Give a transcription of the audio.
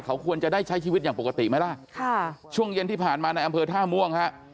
เขาควรจะได้ใช้ชีวิตอย่างปกติไหมล่ะค่ะช่วงเย็นที่ผ่านมาในอำเภอท่าม่วงฮะ